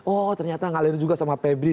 oh ternyata ngalir juga sama pebri